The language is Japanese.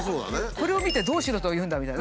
「これを見てどうしろというんだ」みたいな。